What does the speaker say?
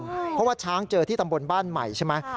เพราะว่าช้างเจอที่ตำบลบ้านใหม่ใช่ไหม